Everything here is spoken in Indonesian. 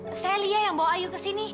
oh saya lia yang bawa ayu ke sini